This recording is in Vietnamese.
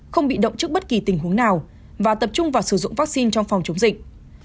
không bị động trước bất kỳ tình huống nào và tập trung vào sử dụng vaccine trong phòng chống dịch